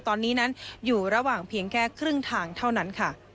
ตอนนี้นั้นอยู่ระหว่างเพียงแค่ครึ่งทางเท่านั้นค่ะ